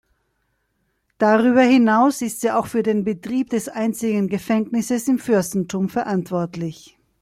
Darüber hinaus ist sie auch für den Betrieb des einzigen Gefängnisses im Fürstentum verantwortlich.